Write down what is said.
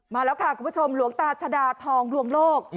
มาแล้วค่ะคุณผู้ชมหลวงตาชดาทองลวงโลก